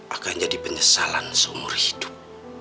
akan jadi penyesalan seumur hidup